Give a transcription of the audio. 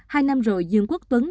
hai năm rồi dương quốc tuấn